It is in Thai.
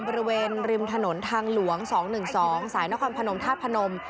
บริเวณริมถนนทางหลวง๒๑๒สายนครพนมธาตุพนม